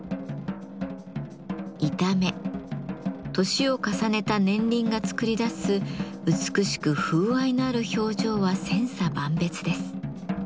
年を重ねた年輪が作り出す美しく風合いのある表情は千差万別です。